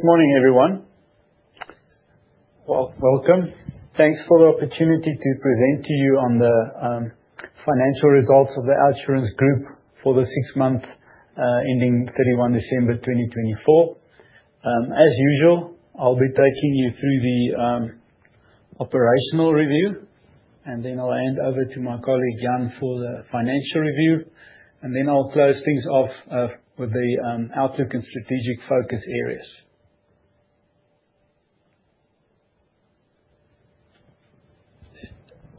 Good morning, everyone. Welcome. Thanks for the opportunity to present to you on the Financial Results of the OUTsurance Group for the Six Months Ending 31 December 2024. As usual, I'll be taking you through the operational review, and then I'll hand over to my colleague Jan for the financial review, and then I'll close things off with the outlook and strategic focus areas.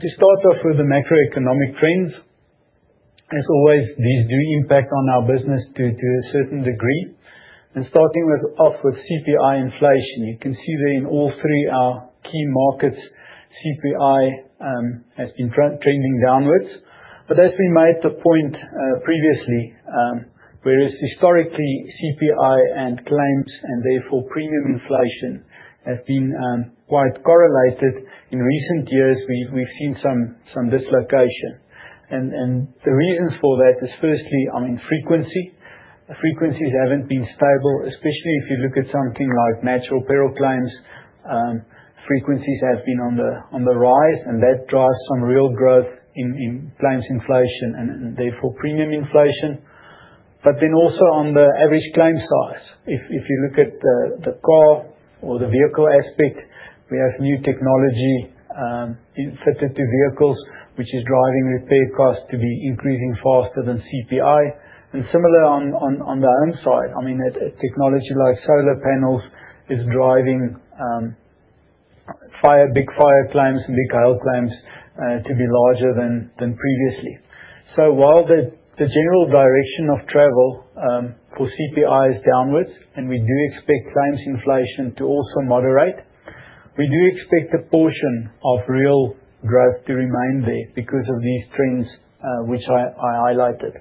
To start off with the macroeconomic trends, as always, these do impact on our business to a certain degree. Starting off with CPI inflation, you can see that in all three of our key markets, CPI has been trending downwards. As we made the point previously, whereas historically CPI and claims, and therefore premium inflation, have been quite correlated, in recent years we've seen some dislocation. The reasons for that is firstly, I mean, frequency. Frequencies have not been stable, especially if you look at something like natural peril claims. Frequencies have been on the rise, and that drives some real growth in claims inflation and therefore premium inflation. Also, on the average claim size, if you look at the car or the vehicle aspect, we have new technology fitted to vehicles, which is driving repair costs to be increasing faster than CPI. Similar on the home side, I mean, a technology like solar panels is driving big fire claims and big hail claims to be larger than previously. While the general direction of travel for CPI is downwards, and we do expect claims inflation to also moderate, we do expect a portion of real growth to remain there because of these trends, which I highlighted.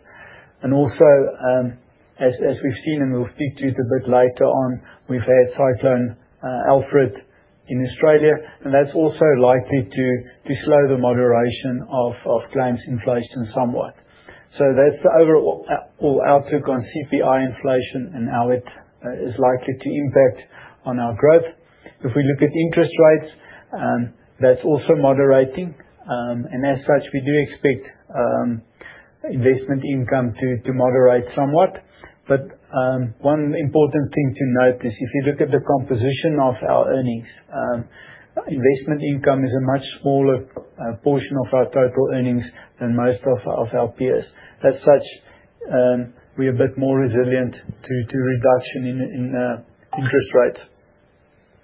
As we've seen, and we'll speak to it a bit later on, we've had Cyclone Alfred in Australia, and that's also likely to slow the moderation of claims inflation somewhat. That's the overall outlook on CPI inflation and how it is likely to impact on our growth. If we look at interest rates, that's also moderating, and as such we do expect investment income to moderate somewhat. One important thing to note is if you look at the composition of our earnings, investment income is a much smaller portion of our total earnings than most of our peers. As such, we're a bit more resilient to reduction in interest rates.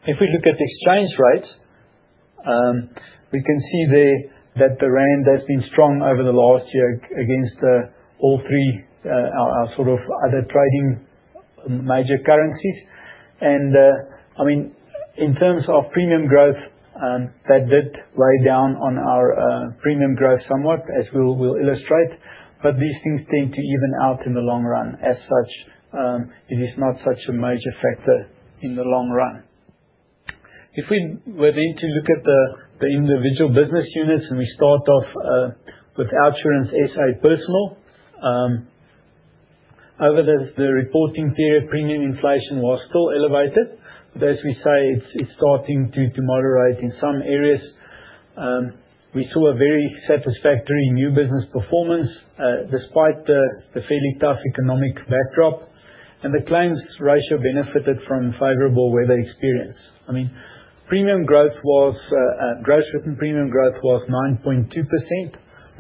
If we look at exchange rates, we can see there that the rand has been strong over the last year against all three, our sort of other trading major currencies. I mean, in terms of premium growth, that did weigh down on our premium growth somewhat, as we'll illustrate, but these things tend to even out in the long run. As such, it is not such a major factor in the long run. If we were then to look at the individual business units and we start off with OUTsurance SA Personal, over the reporting period, premium inflation was still elevated, but as we say, it's starting to moderate in some areas. We saw a very satisfactory new business performance, despite the fairly tough economic backdrop, and the claims ratio benefited from favorable weather experience. I mean, premium growth was, gross written premium growth was 9.2%,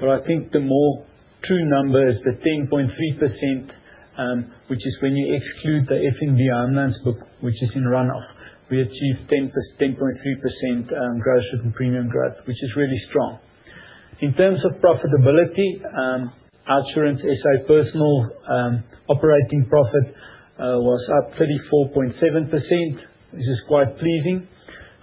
but I think the more true number is the 10.3%, which is when you exclude the FirstRand arm's length book, which is in runoff. We achieved 10%, 10.3%, gross written premium growth, which is really strong. In terms of profitability, OUTsurance SA Personal, operating profit, was up 34.7%, which is quite pleasing.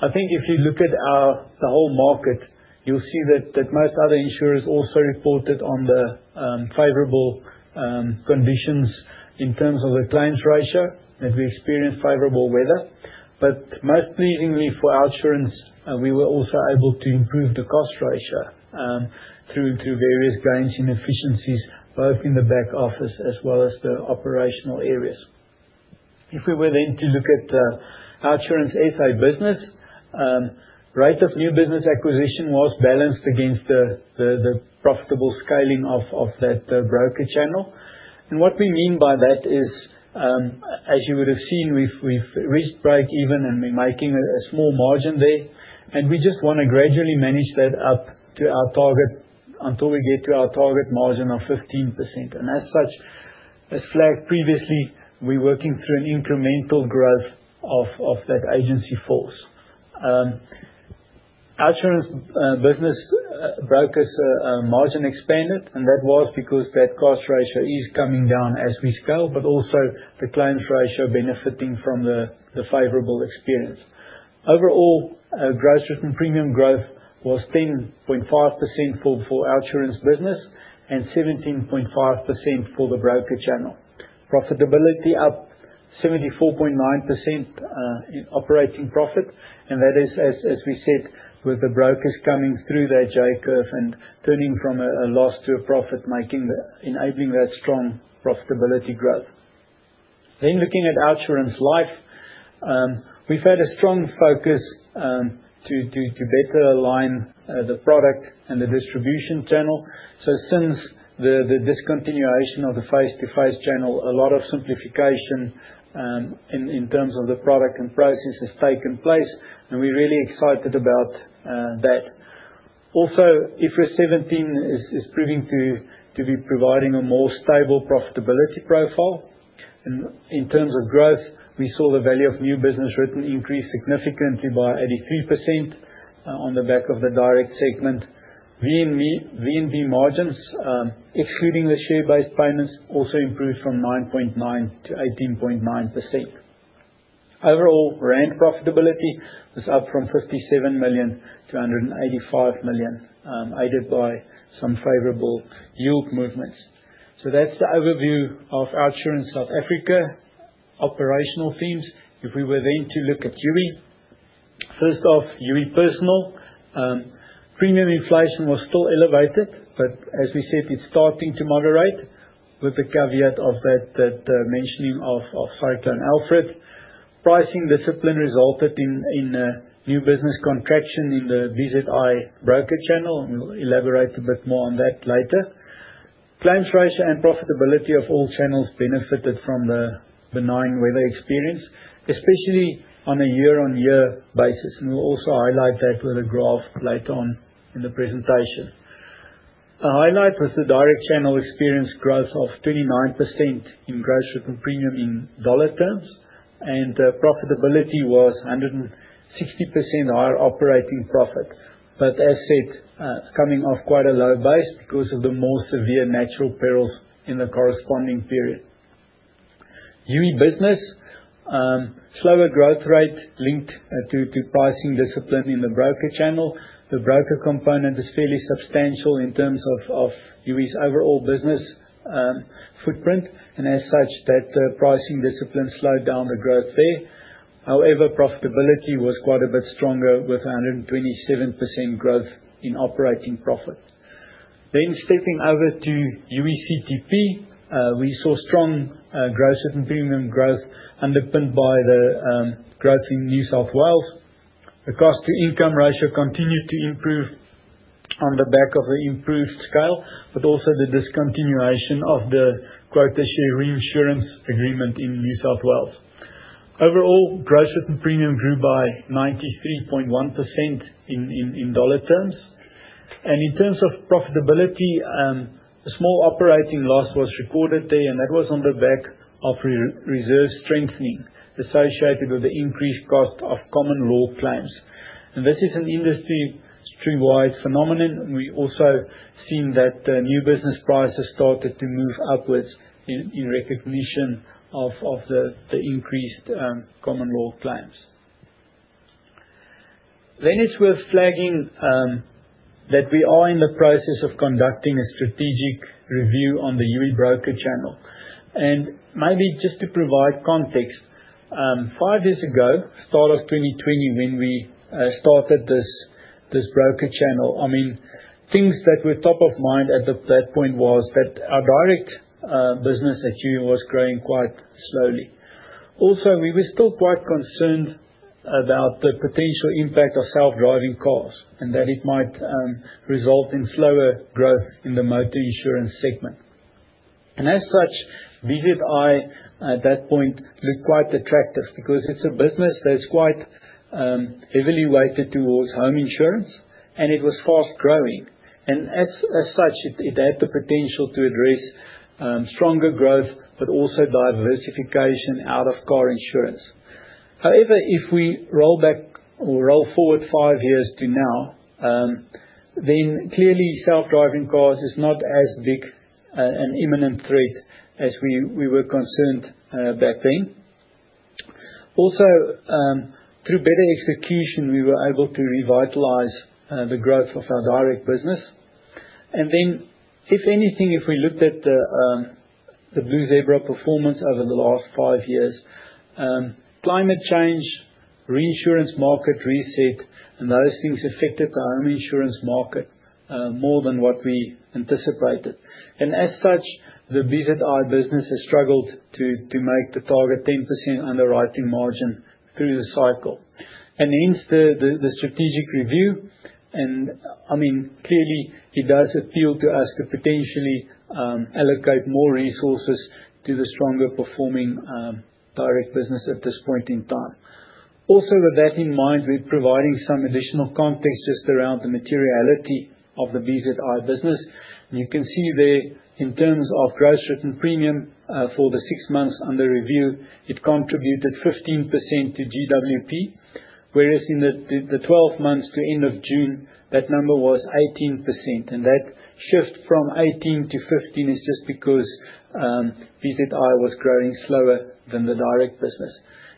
I think if you look at our, the whole market, you'll see that most other insurers also reported on the favorable conditions in terms of the claims ratio, that we experienced favorable weather. Most pleasingly for OUTsurance, we were also able to improve the cost ratio, through various gains in efficiencies, both in the back office as well as the operational areas. If we were then to look at OUTsurance SA Business, rate of new business acquisition was balanced against the profitable scaling of that broker channel. What we mean by that is, as you would have seen, we've reached break even and we're making a small margin there, and we just wanna gradually manage that up to our target until we get to our target margin of 15%. As flagged previously, we're working through an incremental growth of that agency force. OUTsurance business brokers margin expanded, and that was because that cost ratio is coming down as we scale, but also the claims ratio benefiting from the favorable experience. Overall, gross written premium growth was 10.5% for OUTsurance business and 17.5% for the broker channel. Profitability up 74.9% in operating profit, and that is, as we said, with the brokers coming through that J curve and turning from a loss to a profit, making the, enabling that strong profitability growth. Looking at OUTsurance Life, we've had a strong focus to better align the product and the distribution channel. Since the discontinuation of the face-to-face channel, a lot of simplification in terms of the product and process has taken place, and we're really excited about that. Also, IFRS 17 is proving to be providing a more stable profitability profile. In terms of growth, we saw the value of new business written increase significantly by 83% on the Back of the Direct segment. VNB margins, excluding the share-based payments, also improved from 9.9%-18.9%. Overall, rand profitability was up from 57 million-185 million, aided by some favorable yield movements. That is the overview of OUTsurance South Africa operational themes. If we were then to look at Youi, first off, Youi Personal, premium inflation was still elevated, but as we said, it is starting to moderate with the caveat of that, that mentioning of Cyclone Alfred. Pricing discipline resulted in new business contraction in the Blue Zebra broker channel, and we will elaborate a bit more on that later. Claims ratio and profitability of all channels benefited from the benign weather experience, especially on a year-on-year basis, and we will also highlight that with a graph later on in the presentation. A highlight was the direct channel experience growth of 29% in gross written premium in dollar terms, and profitability was 160% higher operating profit, but as said, coming off quite a low base because of the more severe natural perils in the corresponding period. Youi Business, slower growth rate linked to pricing discipline in the broker channel. The broker component is fairly substantial in terms of Youi's overall business footprint, and as such, that pricing discipline slowed down the growth there. However, profitability was quite a bit stronger with 127% growth in operating profit. Stepping over to Youi CTP, we saw strong gross written premium growth underpinned by the growth in New South Wales. The cost-to-income ratio continued to improve on the back of the improved scale, but also the discontinuation of the quota share reinsurance agreement in New South Wales. Overall, gross written premium grew by 93.1% in dollar terms. In terms of profitability, a small operating loss was recorded there, and that was on the back of reserve strengthening associated with the increased cost of common law claims. This is an industry-wide phenomenon, and we have also seen that new business prices started to move upwards in recognition of the increased common law claims. It is worth flagging that we are in the process of conducting a strategic review on the Youi broker channel. Maybe just to provide context, five years ago, at the start of 2020, when we started this broker channel, I mean, things that were top of mind at that point was that our direct business at Youi was growing quite slowly. Also, we were still quite concerned about the potential impact of self-driving cars and that it might result in slower growth in the motor insurance segment. As such, VZI, at that point, looked quite attractive because it's a business that's quite heavily weighted towards home insurance, and it was fast growing. As such, it had the potential to address stronger growth, but also diversification out of car insurance. However, if we roll back or roll forward five years to now, then clearly self-driving cars is not as big an imminent threat as we were concerned back then. Also, through better execution, we were able to revitalize the growth of our direct business. If we looked at the Blue Zebra performance over the last five years, climate change, reinsurance market reset, and those things affected the home insurance market more than what we anticipated. As such, the VZI business has struggled to make the target 10% underwriting margin through the cycle. Hence the strategic review, and I mean, clearly, it does appeal to us to potentially allocate more resources to the stronger performing direct business at this point in time. Also, with that in mind, we're providing some additional context just around the materiality of the VZI business. You can see there, in terms of gross written premium, for the six months under review, it contributed 15% to GWP, whereas in the 12 months to end of June, that number was 18%. That shift from 18 to 15 is just because VZI was growing slower than the direct business.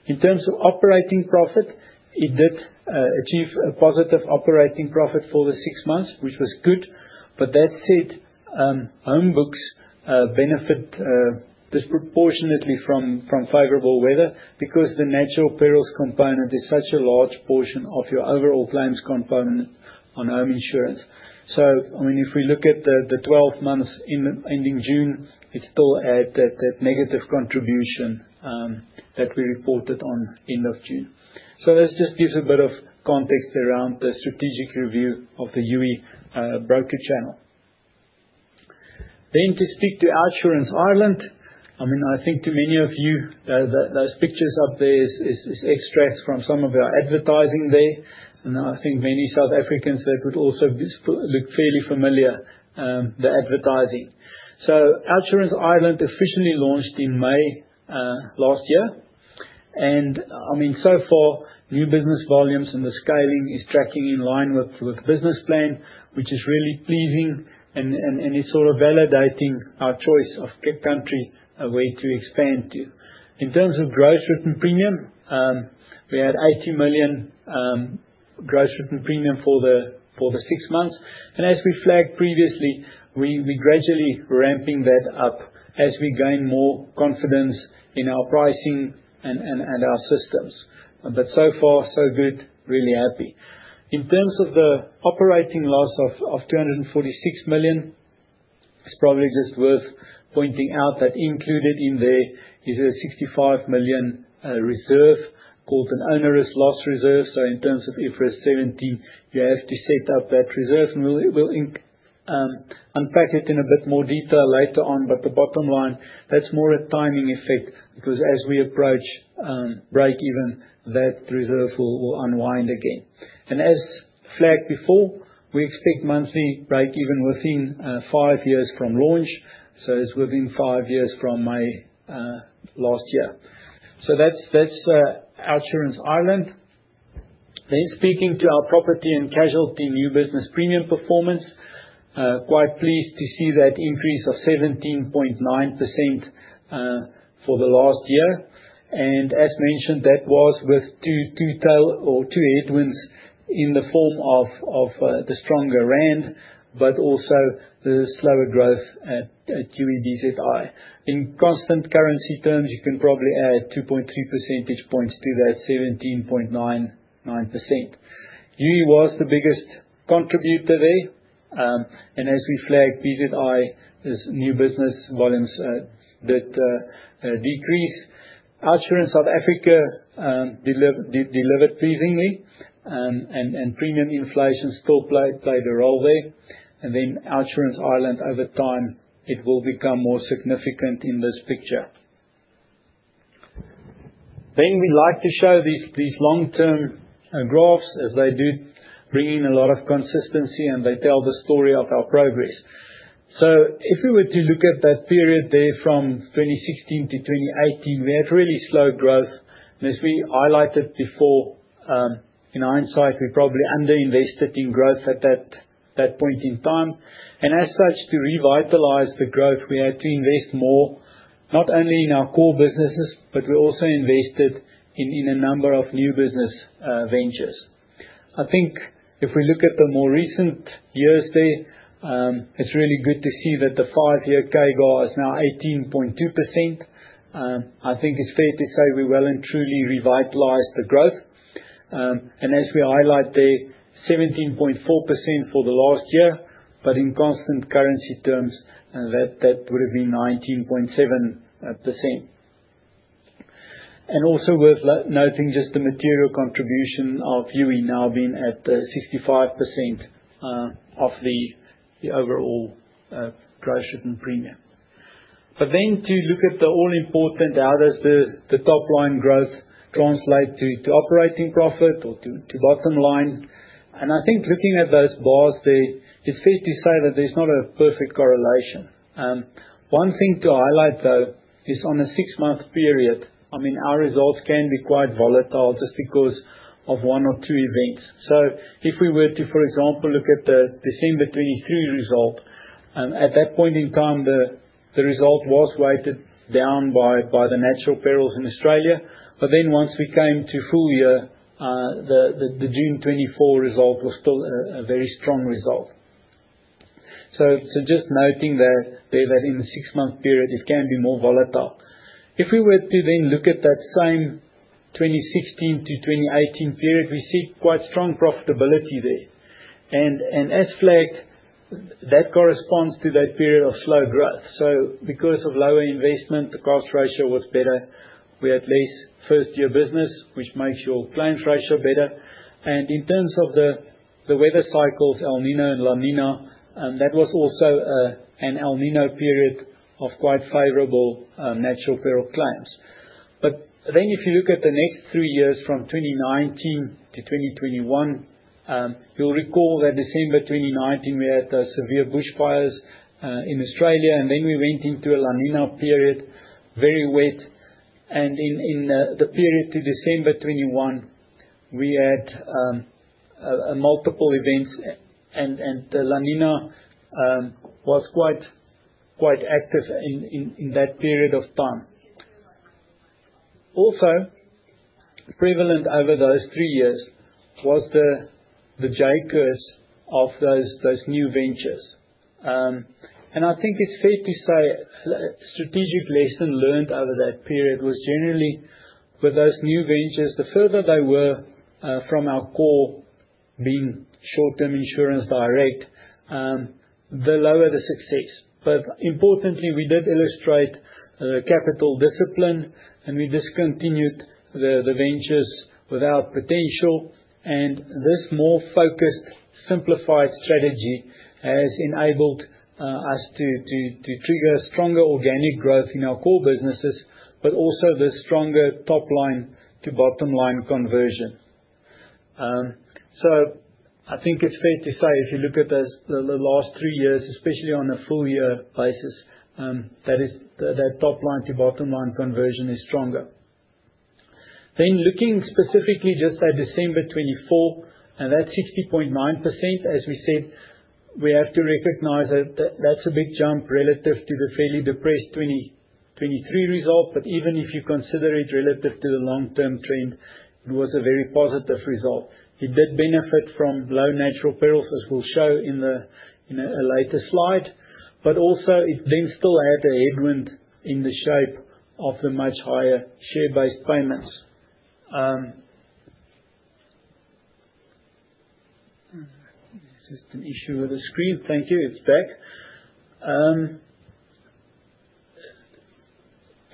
In terms of operating profit, it did achieve a positive operating profit for the six months, which was good. That said, home books benefit disproportionately from favorable weather because the natural perils component is such a large portion of your overall claims component on home insurance. I mean, if we look at the 12 months ending June, it still adds that negative contribution that we reported on end of June. This just gives a bit of context around the strategic review of the Youi broker channel. To speak to OUTsurance Ireland, I mean, I think to many of you, those pictures up there are extracts from some of our advertising there, and I think many South Africans would also look fairly familiar, the advertising. OUTsurance Ireland officially launched in May, last year, and I mean, so far, new business volumes and the scaling is tracking in line with business plan, which is really pleasing, and it's sort of validating our choice of country, where to expand to. In terms of gross written premium, we had 80 million gross written premium for the six months, and as we flagged previously, we gradually were ramping that up as we gain more confidence in our pricing and our systems. So far, so good, really happy. In terms of the operating loss of 246 million, it's probably just worth pointing out that included in there is a 65 million reserve called an onerous loss reserve. In terms of IFRS 17, you have to set up that reserve, and we'll unpack it in a bit more detail later on, but the bottom line, that's more a timing effect because as we approach break even, that reserve will unwind again. As flagged before, we expect monthly break even within five years from launch, so it's within five years from May last year. That's OUTsurance Ireland. Speaking to our property and casualty new business premium performance, quite pleased to see that increase of 17.9% for the last year. As mentioned, that was with two headwinds in the form of the stronger rand, but also the slower growth at Youi and OUTsurance Ireland. In constant currency terms, you can probably add 2.3 percentage points to that 17.99%. Youi was the biggest contributor there, and as we flagged, OUTsurance Ireland's new business volumes did decrease. OUTsurance South Africa delivered pleasingly, and premium inflation still played a role there. OUTsurance Ireland, over time, will become more significant in this picture. We like to show these long-term graphs as they do bring in a lot of consistency, and they tell the story of our progress. If we were to look at that period there from 2016-2018, we had really slow growth, and as we highlighted before, in hindsight, we probably underinvested in growth at that point in time. As such, to revitalize the growth, we had to invest more, not only in our core businesses, but we also invested in a number of new business ventures. I think if we look at the more recent years there, it's really good to see that the five-year CAGR is now 18.2%. I think it's fair to say we well and truly revitalized the growth. As we highlight there, 17.4% for the last year, but in constant currency terms, that would have been 19.7%. Also worth noting just the material contribution of Youi now being at the 65% of the overall gross written premium. But then to look at the all-important, how does the top-line growth translate to operating profit or to bottom line? I think looking at those bars there, it's fair to say that there's not a perfect correlation. One thing to highlight though is on a six-month period, I mean, our results can be quite volatile just because of one or two events. If we were to, for example, look at the December 2023 result, at that point in time, the result was weighted down by the natural perils in Australia, but then once we came to full year, the June 2024 result was still a very strong result. Just noting there that in the six-month period, it can be more volatile. If we were to then look at that same 2016-2018 period, we see quite strong profitability there. And as flagged, that corresponds to that period of slow growth. Because of lower investment, the cost ratio was better. We had less first-year business, which makes your claims ratio better. In terms of the weather cycles, El Niño and La Niña, that was also an El Niño period of quite favorable, natural peril claims. If you look at the next three years from 2019-2021, you'll recall that December 2019, we had the severe bushfires in Australia, and then we went into a La Niña period, very wet. In the period to December 2021, we had multiple events, and the La Niña was quite active in that period of time. Also, prevalent over those three years was the J-curves of those new ventures. I think it's fair to say, strategic lesson learned over that period was generally with those new ventures, the further they were from our core being short-term insurance direct, the lower the success. Importantly, we did illustrate the capital discipline, and we discontinued the ventures without potential, and this more focused, simplified strategy has enabled us to trigger stronger organic growth in our core businesses, but also the stronger top-line to bottom line conversion. I think it's fair to say if you look at those, the last three years, especially on a full-year basis, that is, that top-line to bottom line conversion is stronger. Looking specifically just at December 2024, and that's 60.9%, as we said, we have to recognize that that's a big jump relative to the fairly depressed 2023 result, but even if you consider it relative to the long-term trend, it was a very positive result. It did benefit from low natural perils, as we'll show in a later slide, but also it then still had a headwind in the shape of the much higher share-based payments. Just an issue with the screen.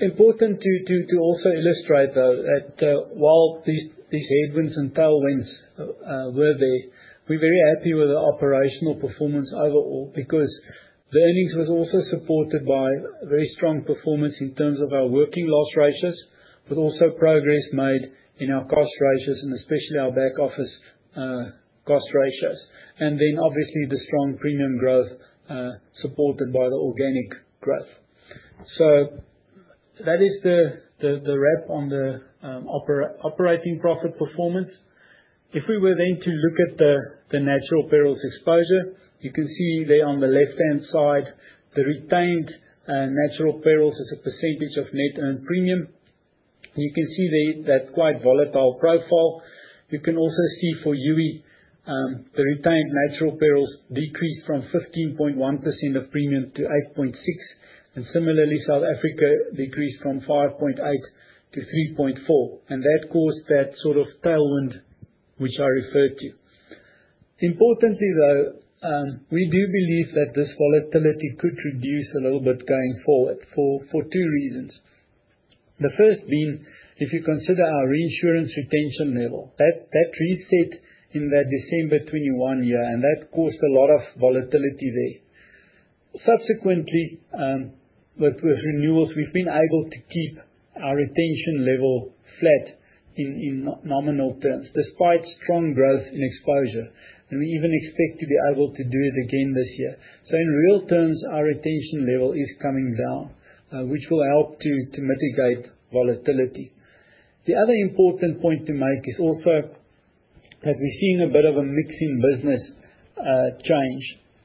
Thank you, it's back. Important to also illustrate though that, while these headwinds and tailwinds were there, we're very happy with the operational performance overall because the earnings was also supported by very strong performance in terms of our working loss ratios, but also progress made in our cost ratios and especially our back office cost ratios. Obviously the strong premium growth, supported by the organic growth. That is the wrap on the operating profit performance. If we were then to look at the natural perils exposure, you can see there on the left-hand side, the retained natural perils as a percentage of net earned premium. You can see there, that quite volatile profile. You can also see for Youi, the retained natural perils decreased from 15.1% of premium to 8.6%, and similarly, South Africa decreased from 5.8% to 3.4%, and that caused that sort of tailwind which I referred to. Importantly though, we do believe that this volatility could reduce a little bit going forward for two reasons. The first being, if you consider our reinsurance retention level, that reset in that December 2021 year, and that caused a lot of volatility there. Subsequently, with renewals, we've been able to keep our retention level flat in nominal terms despite strong growth in exposure, and we even expect to be able to do it again this year. In real terms, our retention level is coming down, which will help to mitigate volatility. The other important point to make is also that we're seeing a bit of a mixing business change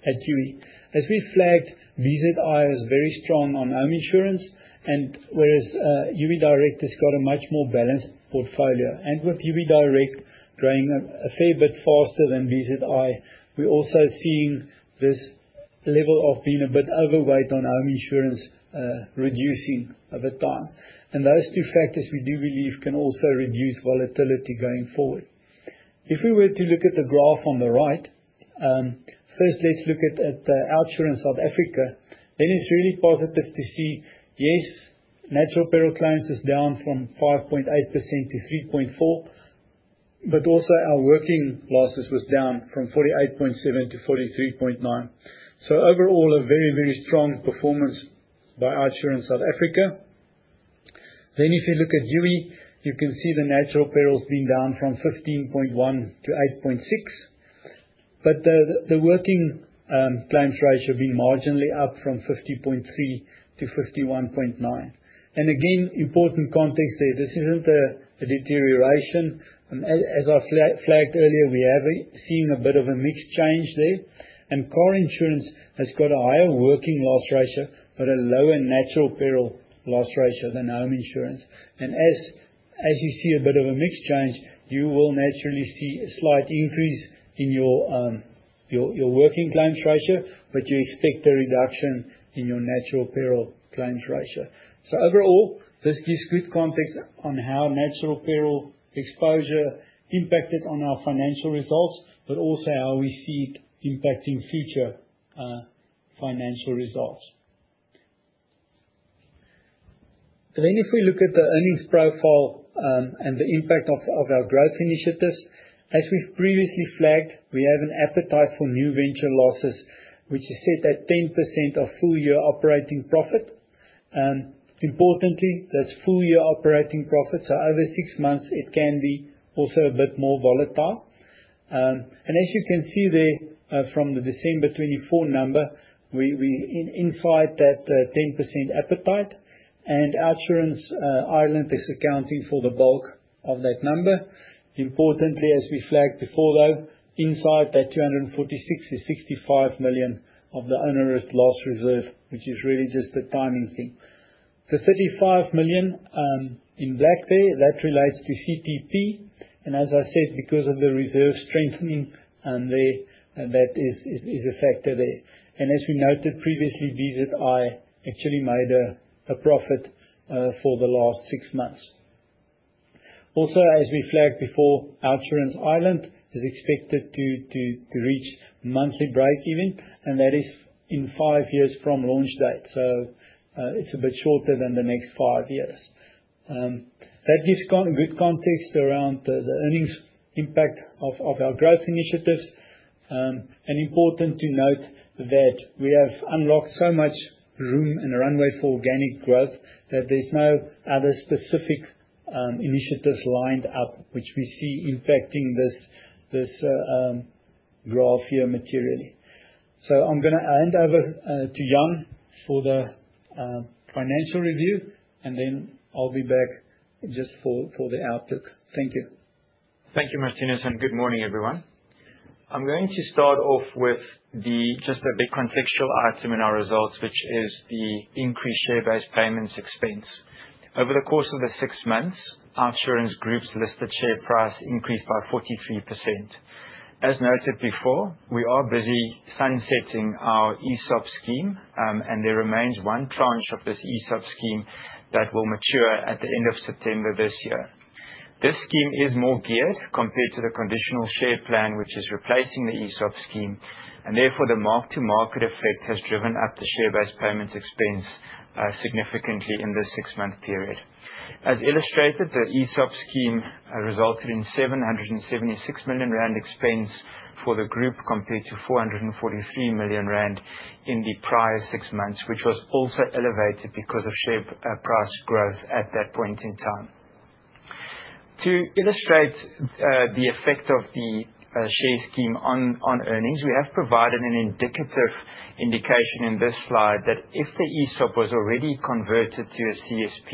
at Youi. As we flagged, VZI is very strong on home insurance, whereas Youi Direct has got a much more balanced portfolio. With Youi Direct growing a fair bit faster than VZI, we're also seeing this level of being a bit overweight on home insurance reducing over time. Those two factors we do believe can also reduce volatility going forward. If we were to look at the graph on the right, first let's look at OUTsurance South Africa. It is really positive to see, yes, natural peril claims is down from 5.8%-3.4%, but also our working losses was down from 48.7%-43.9%. Overall, a very, very strong performance by OUTsurance South Africa. If you look at Youi, you can see the natural perils being down from 15.1%-8.6%, but the working claims ratio being marginally up from 50.3%-51.9%. Again, important context there, this isn't a deterioration. As I flagged earlier, we have seen a bit of a mix change there, and car insurance has got a higher working loss ratio, but a lower natural peril loss ratio than home insurance. As you see a bit of a mixed change, you will naturally see a slight increase in your working claims ratio, but you expect a reduction in your natural peril claims ratio. Overall, this gives good context on how natural peril exposure impacted on our financial results, but also how we see it impacting future financial results. If we look at the earnings profile and the impact of our growth initiatives, as we've previously flagged, we have an appetite for new venture losses, which is set at 10% of full-year operating profit. Importantly, that's full-year operating profit, so over six months, it can be also a bit more volatile. As you can see there, from the December 2024 number, we are inside that 10% appetite, and OUTsurance Ireland is accounting for the bulk of that number. Importantly, as we flagged before though, insight that 246 is 65 million of the onerous loss reserve, which is really just a timing thing. The 35 million, in black there, that relates to CTP, and as I said, because of the reserve strengthening there, that is a factor there. As we noted previously, VZI actually made a profit for the last six months. Also, as we flagged before, OUTsurance Ireland is expected to reach monthly break even, and that is in five years from launch date, so it's a bit shorter than the next five years. That gives good context around the earnings impact of our growth initiatives. An important note is that we have unlocked so much room and runway for organic growth that there's no other specific initiatives lined up, which we see impacting this graph here materially. I'm gonna hand over to Jan for the financial review, and then I'll be back just for the outlook. Thank you. Thank you, Marthinus, and good morning everyone. I'm going to start off with just a bit contextual item in our results, which is the increased share-based payments expense. Over the course of the six months, OUTsurance Group's listed share price increased by 43%. As noted before, we are busy sunsetting our ESOP Scheme, and there remains one tranche of this ESOP Scheme that will mature at the end of September this year. This scheme is more geared compared to the conditional share plan, which is replacing the ESOP Scheme, and therefore the mark-to-market effect has driven up the share-based payments expense, significantly in this six-month period. As illustrated, the ESOP Scheme resulted in 776 million rand expense for the group compared to 443 million rand in the prior six months, which was also elevated because of share price growth at that point in time. To illustrate, the effect of the share scheme on earnings, we have provided an indicative indication in this slide that if the ESOP was already converted to a CSP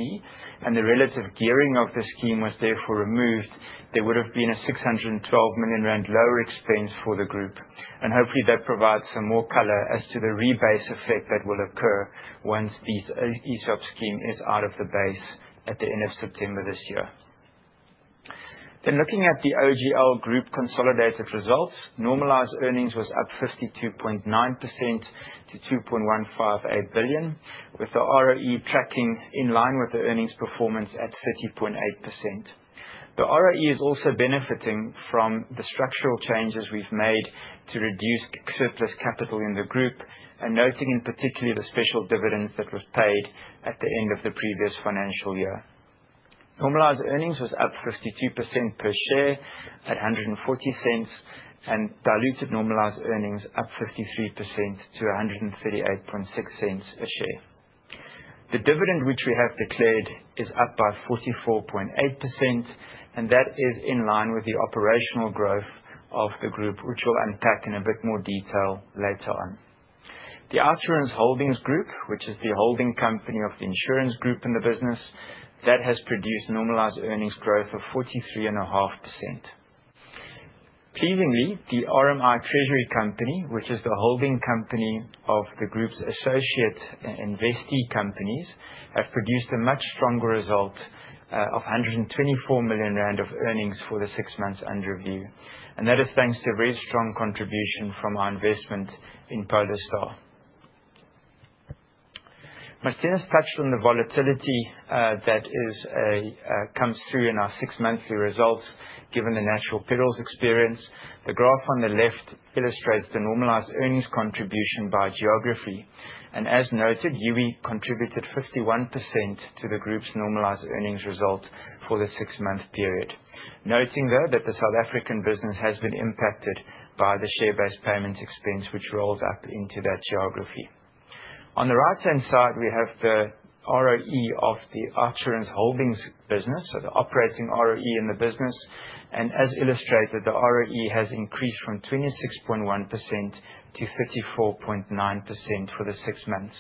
and the relative gearing of the scheme was therefore removed, there would have been a 612 million rand lower expense for the group, and hopefully that provides some more color as to the rebase effect that will occur once these ESOP Scheme is out of the base at the end of September this year. Looking at the OUTsurance Group consolidated results, normalized earnings was up 52.9% to 2.158 billion, with the ROE tracking in line with the earnings performance at 30.8%. The ROE is also benefiting from the structural changes we've made to reduce surplus capital in the group, and noting in particular the special dividends that were paid at the end of the previous financial year. Normalized earnings was up 52% per share at 1.40, and diluted normalized earnings up 53% to 1.386 a share. The dividend, which we have declared, is up by 44.8%, and that is in line with the operational growth of the group, which we will unpack in a bit more detail later on. The OUTsurance Holdings Group, which is the holding company of the insurance group in the business, that has produced normalized earnings growth of 43.5%. Pleasingly, the RMI Treasury Company, which is the holding company of the group's associate and investee companies, have produced a much stronger result, of 124 million rand of earnings for the six months under review, and that is thanks to a very strong contribution from our investment in Polestar. Marthinus touched on the volatility, that is a, comes through in our six-monthly results given the natural perils experience. The graph on the left illustrates the normalized earnings contribution by geography, and as noted, Youi contributed 51% to the group's normalized earnings result for the six-month period, noting though that the South African business has been impacted by the share-based payments expense, which rolled up into that geography. On the right-hand side, we have the ROE of the OUTsurance Holdings business, so the operating ROE in the business, and as illustrated, the ROE has increased from 26.1% to 34.9% for the six months.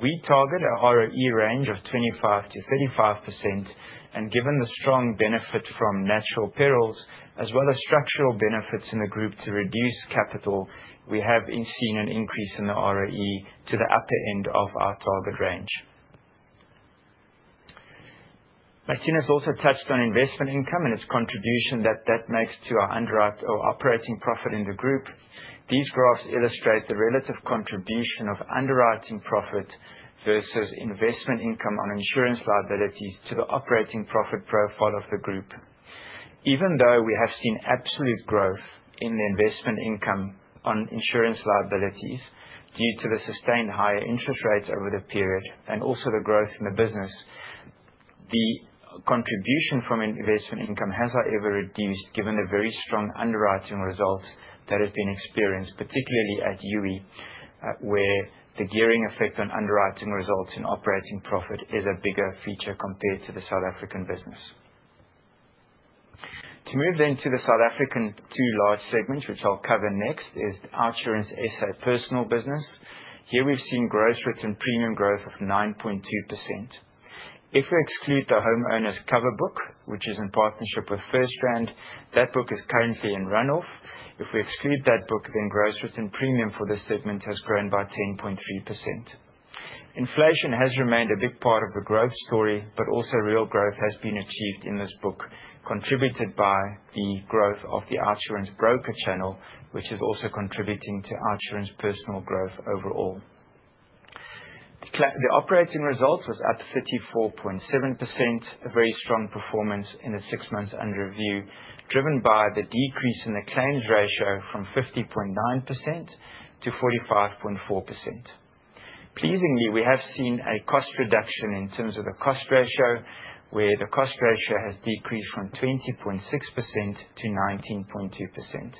We target a ROE range of 25-35%, and given the strong benefit from natural perils as well as structural benefits in the group to reduce capital, we have seen an increase in the ROE to the upper end of our target range. Marthinus also touched on investment income and its contribution that that makes to our underwrite or operating profit in the group. These graphs illustrate the relative contribution of underwriting profit versus investment income on insurance liabilities to the operating profit profile of the group. Even though we have seen absolute growth in the investment income on insurance liabilities due to the sustained higher interest rates over the period and also the growth in the business, the contribution from investment income has, however, reduced given the very strong underwriting results that have been experienced, particularly at Youi, where the gearing effect on underwriting results in operating profit is a bigger feature compared to the South African business. To move then to the South African two large segments, which I'll cover next, is OUTsurance SA Personal business. Here we've seen gross written premium growth of 9.2%. If we exclude the homeowner's cover book, which is in partnership with FirstRand, that book is currently in runoff. If we exclude that book, then gross written premium for this segment has grown by 10.3%. Inflation has remained a big part of the growth story, but also real growth has been achieved in this book, contributed by the growth of the OUTsurance Broker Channel, which is also contributing to OUTsurance Personal growth overall. The operating results was up 34.7%, a very strong performance in the six months under review, driven by the decrease in the claims ratio from 50.9%-45.4%. Pleasingly, we have seen a cost reduction in terms of the cost ratio, where the cost ratio has decreased from 20.6% to 19.2%,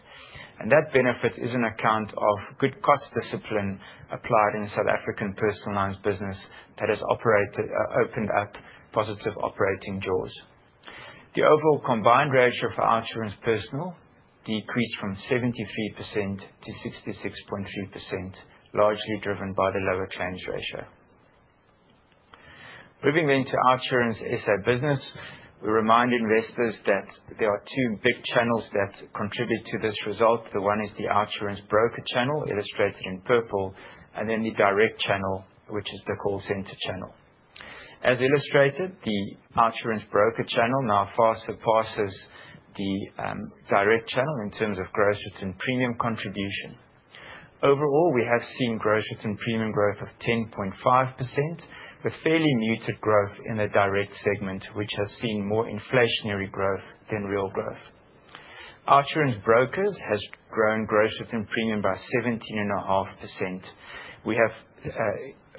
and that benefit is on account of good cost discipline applied in the South African personal lines business that has operated, opened up positive operating draws. The overall combined ratio for OUTsurance Personal decreased from 73%-66.3%, largely driven by the lower claims ratio. Moving then to OUTsurance SA Business, we remind investors that there are two big channels that contribute to this result. The one is the OUTsurance Broker Channel, illustrated in purple, and then the direct channel, which is the call center channel. As illustrated, the OUTsurance Broker Channel now far surpasses the direct channel in terms of gross written premium contribution. Overall, we have seen gross written premium growth of 10.5%, with fairly muted growth in the direct segment, which has seen more inflationary growth than real growth. OUTsurance brokers has grown gross written premium by 17.5%. We have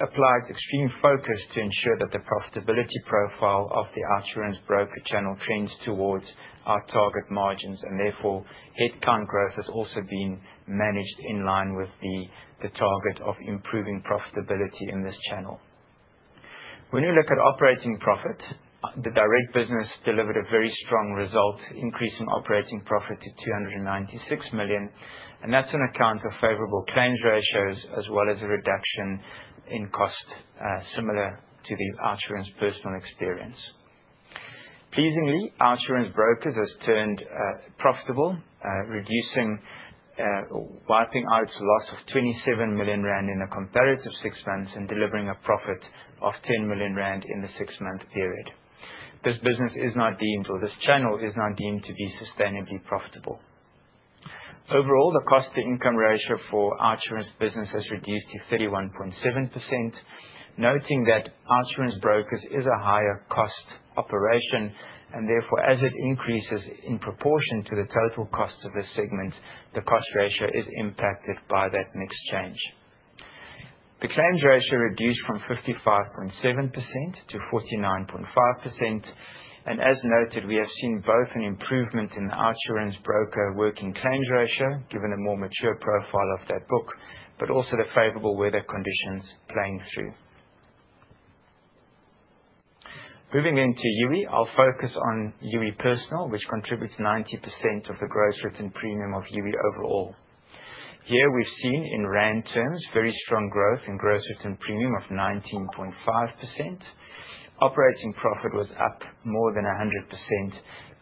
applied extreme focus to ensure that the profitability profile of the OUTsurance Broker Channel trends towards our target margins, and therefore headcount growth has also been managed in line with the target of improving profitability in this channel. When we look at operating profit, the direct business delivered a very strong result, increasing operating profit to 296 million, and that's an account of favorable claims ratios as well as a reduction in cost, similar to the OUTsurance Personal experience. Pleasingly, OUTsurance Brokers has turned profitable, wiping out loss of 27 million rand in a comparative six months and delivering a profit of 10 million rand in the six-month period. This business is not deemed, or this channel is not deemed to be sustainably profitable. Overall, the cost-to-income ratio for OUTsurance business has reduced to 31.7%, noting that OUTsurance Brokers is a higher cost operation. Therefore, as it increases in proportion to the total cost of this segment, the cost ratio is impacted by that mixed change. The claims ratio reduced from 55.7% 49.5%, and as noted, we have seen both an improvement in the OUTsurance broker working claims ratio given a more mature profile of that book, but also the favorable weather conditions playing through. Moving then to Youi, I'll focus on Youi Personal, which contributes 90% of the gross written premium of Youi overall. Here we've seen, in rand terms, very strong growth in gross written premium of 19.5%. Operating profit was up more than 100%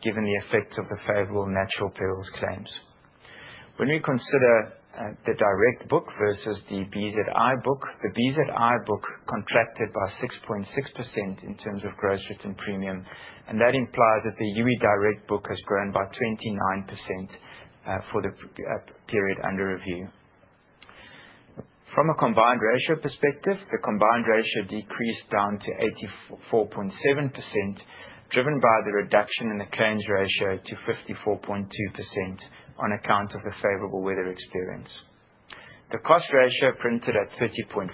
given the effect of the favorable natural perils claims. When we consider the direct book versus the Blue Zebra Insurance book, the Blue Zebra Insurance book contracted by 6.6% in terms of gross written premium, and that implies that the Youi Direct book has grown by 29% for the period under review. From a combined ratio perspective, the combined ratio decreased down to 84.7%, driven by the reduction in the claims ratio to 54.2% on account of the favorable weather experience. The cost ratio printed at 30.5%,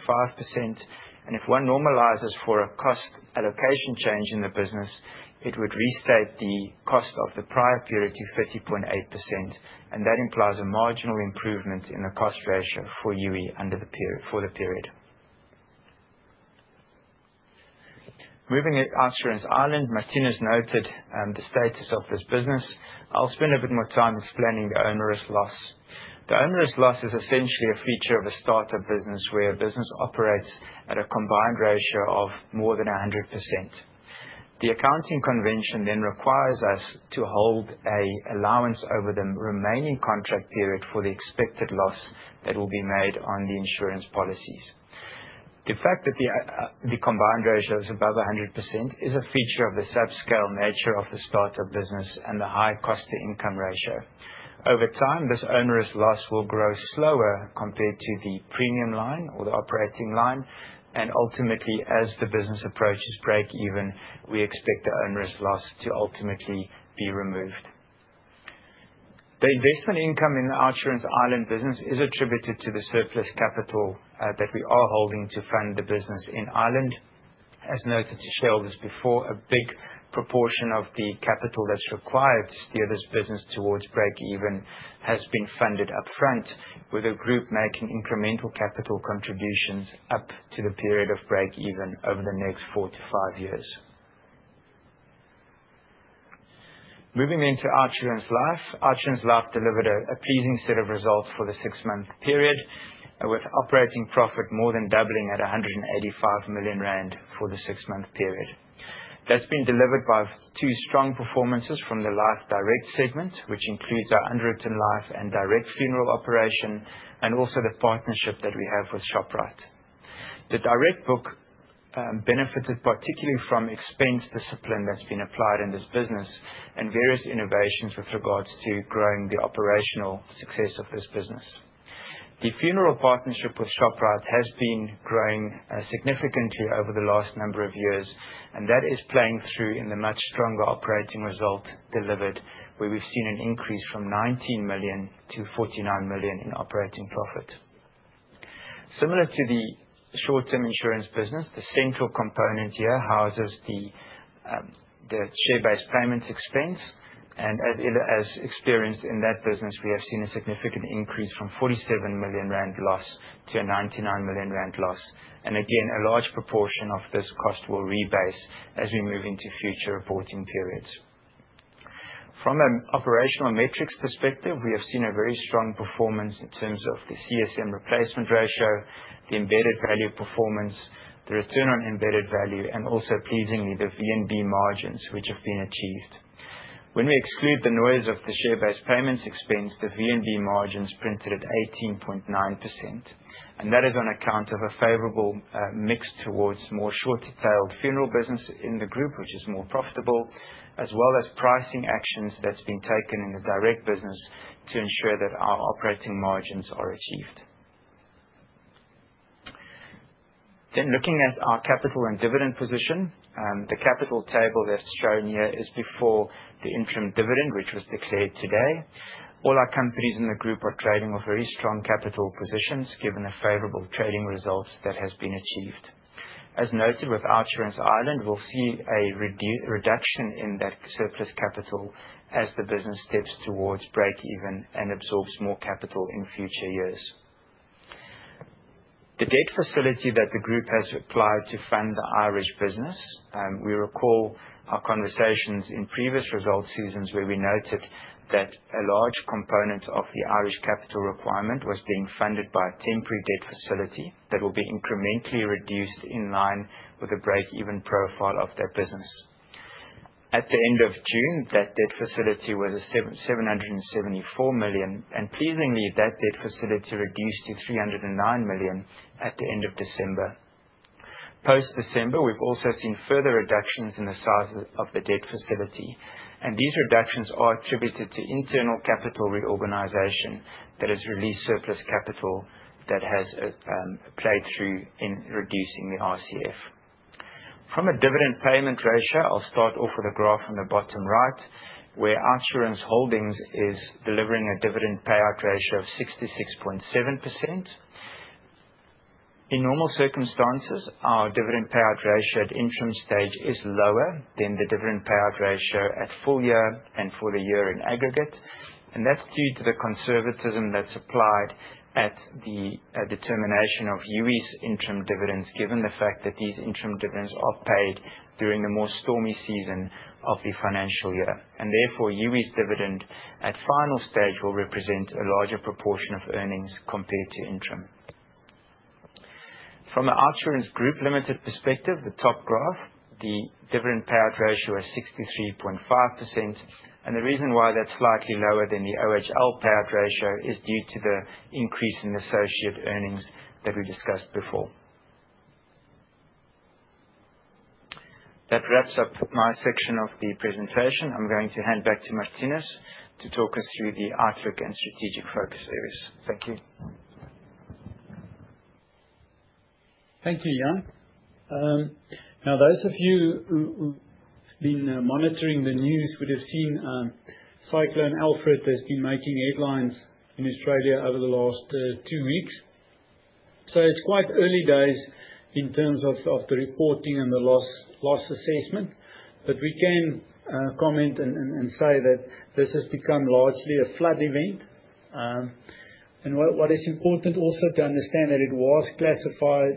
and if one normalizes for a cost allocation change in the business, it would restate the cost of the prior period to 30.8%, and that implies a marginal improvement in the cost ratio for UI under the period, for the period. Moving at OUTsurance Ireland, Marthinus noted, the status of this business. I'll spend a bit more time explaining the onerous loss. The onerous loss is essentially a feature of a startup business where a business operates at a combined ratio of more than 100%. The accounting convention then requires us to hold an allowance over the remaining contract period for the expected loss that will be made on the insurance policies. The fact that the combined ratio is above 100% is a feature of the subscale nature of the startup business and the high cost-to-income ratio. Over time, this onerous loss will grow slower compared to the premium line or the operating line, and ultimately, as the business approaches break even, we expect the onerous loss to ultimately be removed. The investment income in the OUTsurance Ireland business is attributed to the surplus capital that we are holding to fund the business in Ireland. As noted to share with us before, a big proportion of the capital that's required to steer this business towards break even has been funded upfront, with the group making incremental capital contributions up to the period of break even over the next four to five years. Moving then to OUTsurance Life. OUTsurance Life delivered a pleasing set of results for the six-month period, with operating profit more than doubling at 185 million rand for the six-month period. That's been delivered by two strong performances from the Life Direct segment, which includes our underwritten life and direct funeral operation, and also the partnership that we have with ShopRite. The direct book benefited particularly from expense discipline that's been applied in this business and various innovations with regards to growing the operational success of this business. The funeral partnership with ShopRite has been growing significantly over the last number of years, and that is playing through in the much stronger operating result delivered, where we've seen an increase from 19 million-49 million in operating profit. Similar to the short-term insurance business, the central component here houses the share-based payments expense, and as experienced in that business, we have seen a significant increase from 47 million rand loss to 99 million rand loss, and again, a large proportion of this cost will rebase as we move into future reporting periods. From an operational metrics perspective, we have seen a very strong performance in terms of the CSM replacement ratio, the embedded value performance, the return on embedded value, and also, pleasingly, the VNB margins, which have been achieved. When we exclude the noise of the share-based payments expense, the VNB margins printed at 18.9%, and that is on account of a favorable mix towards more short-tailed funeral business in the group, which is more profitable, as well as pricing actions that's been taken in the direct business to ensure that our operating margins are achieved. Looking at our capital and dividend position, the capital table that's shown here is before the interim dividend, which was declared today. All our companies in the group are trading with very strong capital positions given the favorable trading results that have been achieved. As noted with OUTsurance Ireland, we'll see a reduction in that surplus capital as the business steps towards break even and absorbs more capital in future years. The debt facility that the group has applied to fund the Irish business, we recall our conversations in previous result seasons where we noted that a large component of the Irish capital requirement was being funded by a temporary debt facility that will be incrementally reduced in line with the break-even profile of that business. At the end of June, that debt facility was at 774 million, and pleasingly, that debt facility reduced to 309 million at the end of December. Post-December, we've also seen further reductions in the size of the debt facility, and these reductions are attributed to internal capital reorganization that has released surplus capital that has played through in reducing the RCF. From a dividend payment ratio, I'll start off with a graph on the bottom right, where OUTsurance Holdings is delivering a dividend payout ratio of 66.7%. In normal circumstances, our dividend payout ratio at interim stage is lower than the dividend payout ratio at full year and for the year in aggregate. That's due to the conservatism that's applied at the determination of Youi's Interim Dividends, given the fact that these interim dividends are paid during the more stormy season of the financial year, and therefore, Youi's dividend at final stage will represent a larger proportion of earnings compared to interim. From an OUTsurance Group Limited perspective, the top graph, the dividend payout ratio is 63.5%, and the reason why that's slightly lower than the OHL payout ratio is due to the increase in associated earnings that we discussed before. That wraps up my section of the presentation. I'm going to hand back to Marthinus to talk us through the outlook and strategic focus areas. Thank you. Thank you, Jan. Now, those of you who've been monitoring the news would have seen Cyclone Alfred has been making headlines in Australia over the last two weeks. It's quite early days in terms of the reporting and the loss assessment, but we can comment and say that this has become largely a flood event. What is important also to understand is that it was classified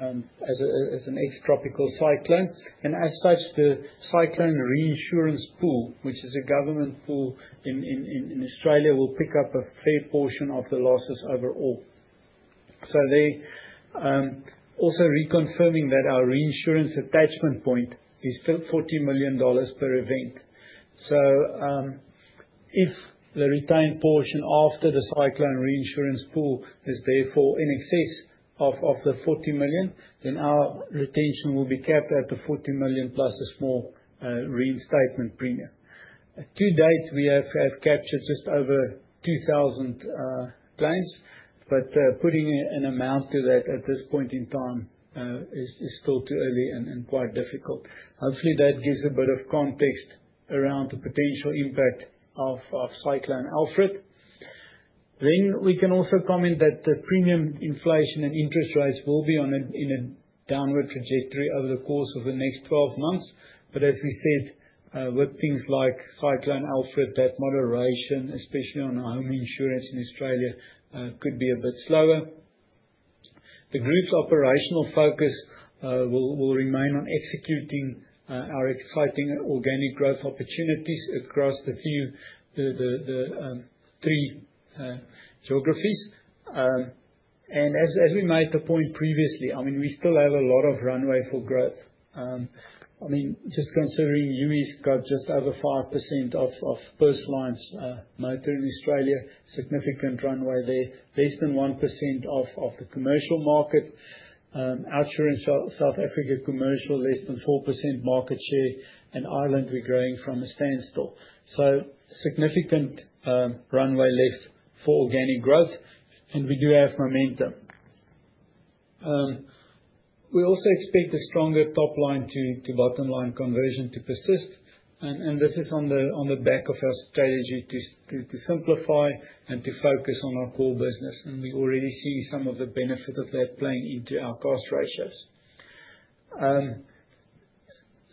as an ex-tropical cyclone, and as such, the Cyclone Reinsurance Pool, which is a government pool in Australia, will pick up a fair portion of the losses overall. They are also reconfirming that our reinsurance attachment point is still 40 million dollars per event. If the retained portion after the Cyclone Reinsurance Pool is therefore in excess of the 40 million, then our retention will be capped at the 40 million plus a small reinstatement premium. To date, we have captured just over 2,000 claims, but putting an amount to that at this point in time is still too early and quite difficult. Hopefully, that gives a bit of context around the potential impact of Cyclone Alfred. We can also comment that the premium inflation and interest rates will be on a downward trajectory over the course of the next 12 months, but as we said, with things like Cyclone Alfred, that moderation, especially on our home insurance in Australia, could be a bit slower. The group's operational focus will remain on executing our exciting organic growth opportunities across the three geographies. As we made the point previously, I mean, we still have a lot of runway for growth. I mean, just considering Youi's got just over 5% of personal lines motor in Australia, significant runway there, less than 1% of the commercial market. OUTsurance South Africa commercial, less than 4% market share, and Ireland, we're growing from a standstill. Significant runway left for organic growth, and we do have momentum. We also expect a stronger top line to bottom line conversion to persist, and this is on the back of our strategy to simplify and to focus on our core business, and we already see some of the benefit of that playing into our cost ratios.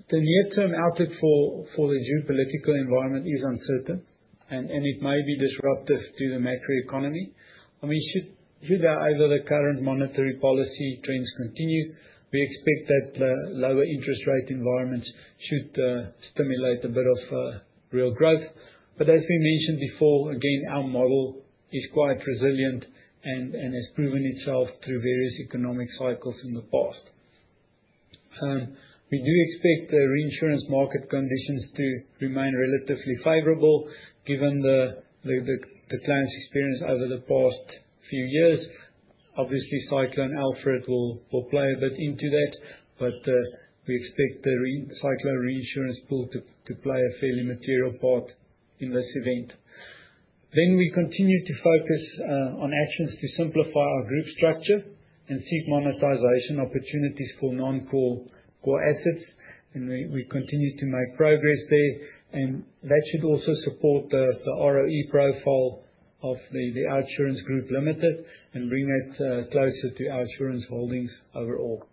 The near-term outlook for, for the geopolitical environment is uncertain, and, and it may be disruptive to the macroeconomy. I mean, should, should our over-the-current monetary policy trends continue, we expect that the lower interest rate environments should stimulate a bit of real growth, but as we mentioned before, again, our model is quite resilient and, and has proven itself through various economic cycles in the past. We do expect the reinsurance market conditions to remain relatively favorable given the, the clients' experience over the past few years. Obviously, Cyclone Alfred will, will play a bit into that, but we expect the Cyclone Reinsurance Pool to, to play a fairly material part in this event. We continue to focus on actions to simplify our group structure and seek monetization opportunities for non-core, core assets, and we continue to make progress there, and that should also support the ROE profile of the OUTsurance Group Limited and bring it closer to OUTsurance Holdings overall.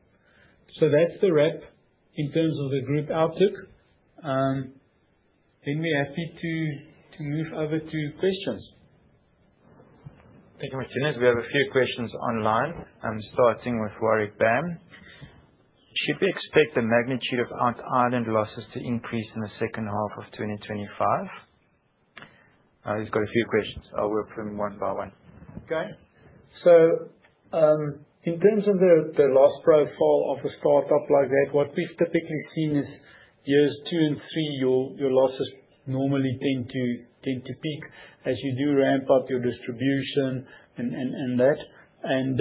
That's the wrap in terms of the group outlook. We're happy to move over to questions. Thank you, Marthinus. We have a few questions online. I'm starting with Warwick Bam. Should we expect the magnitude of OUTsurance Ireland losses to increase in the second half of 2025? He's got a few questions. I'll work through them one by one. Okay. In terms of the loss profile of a startup like that, what we've typically seen is years two and three, your losses normally tend to peak as you do ramp up your distribution and that, and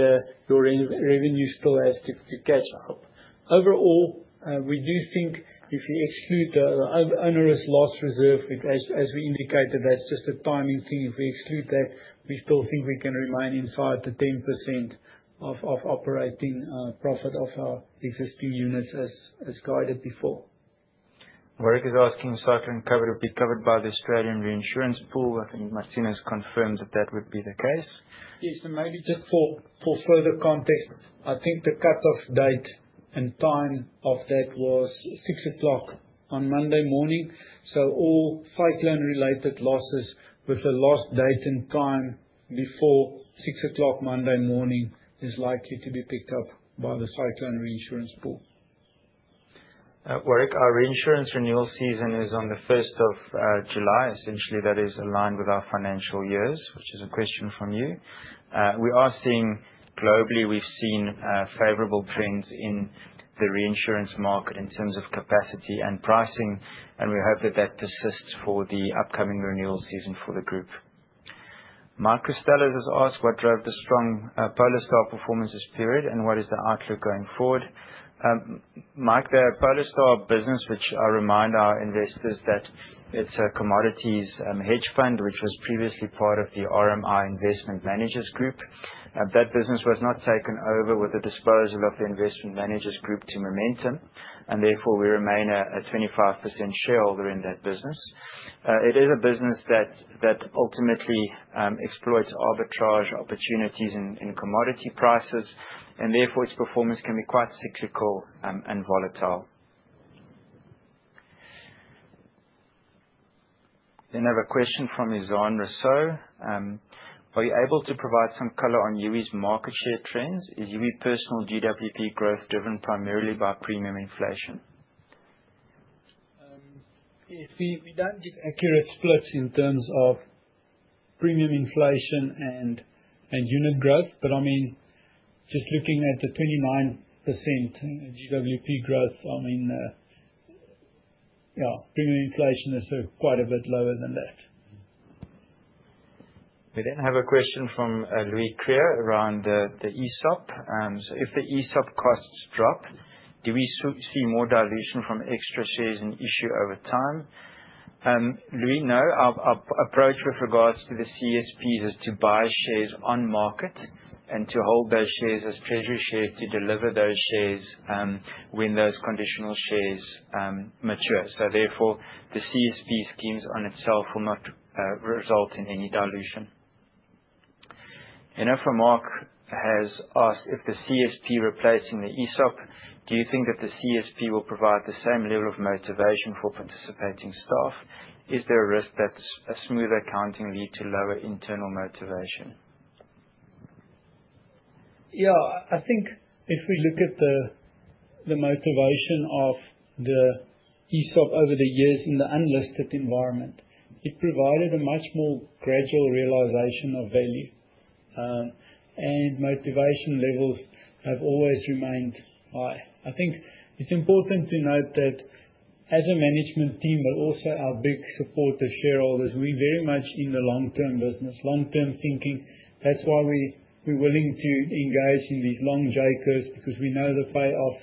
your revenue still has to catch up. Overall, we do think if you exclude the onerous loss reserve, which, as we indicated, that's just a timing thing. If we exclude that, we still think we can remain in 5%-10% of operating profit of our existing units as guided before. Warwick is asking if Cyclone cover would be covered by the Australian Reinsurance Pool. I think Marthinus confirmed that that would be the case. Yes. Maybe just for further context, I think the cut-off date and time of that was 6:00 A.M. on Monday morning. All Cyclone-related losses with the last date and time before 6:00 A.M. Monday morning are likely to be picked up by the Cyclone Reinsurance Pool. Warwick, our reinsurance renewal season is on the 1st of July. Essentially, that is aligned with our financial years, which is a question from you. We are seeing globally, we've seen favorable trends in the reinsurance market in terms of capacity and pricing, and we hope that that persists for the upcoming renewal season for the group. Mark Costello has asked what drove the strong Polestar performance this period and what is the outlook going forward. Mark, the Polestar business, which I remind our investors that it's a commodities hedge fund, which was previously part of the RMI Investment Managers Group, that business was not taken over with the disposal of the Investment Managers Group to Momentum, and therefore we remain a 25% shareholder in that business. It is a business that, that ultimately exploits arbitrage opportunities in, in commodity prices, and therefore its performance can be quite cyclical and volatile. I have a question from Yazan Resso. Are you able to provide some color on Youi's market share trends? Is Youi Personal GWP growth driven primarily by premium inflation? If we, we do not get accurate splits in terms of premium inflation and, and unit growth, but I mean, just looking at the 29% GWP growth, I mean, yeah, premium inflation is quite a bit lower than that. We then have a question from Louis Krier around the ESOP. If the ESOP costs drop, do we see more dilution from extra shares in issue over time? Louis, no. Our approach with regards to the CSPs is to buy shares on market and to hold those shares as treasury shares to deliver those shares when those conditional shares mature. Therefore, the CSP schemes on itself will not result in any dilution. Enofamorc has asked if the CSP replacing the ESOP, do you think that the CSP will provide the same level of motivation for participating staff? Is there a risk that a smoother accounting lead to lower internal motivation? Yeah. I think if we look at the motivation of the ESOP over the years in the unlisted environment, it provided a much more gradual realization of value, and motivation levels have always remained high. I think it's important to note that as a management team, but also our big supportive shareholders, we are very much in the long-term business, long-term thinking. That's why we are willing to engage in these long JCOs because we know the payoff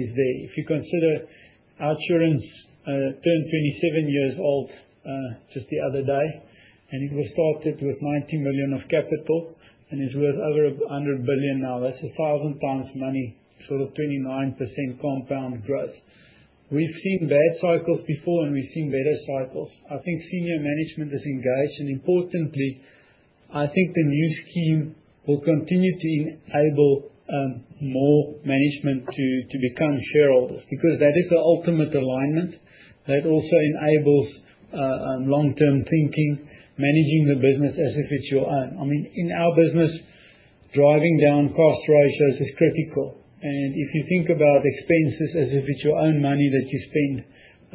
is there. If you consider OUTsurance, turned 27 years old just the other day, and it was started with 90 million of capital and is worth over 100 billion now. That's a thousand times money, sort of 29% compound growth. We've seen bad cycles before, and we've seen better cycles. I think senior management is engaged, and importantly, I think the new scheme will continue to enable more management to become shareholders because that is the ultimate alignment. That also enables long-term thinking, managing the business as if it's your own. I mean, in our business, driving down cost ratios is critical, and if you think about expenses as if it's your own money that you spend,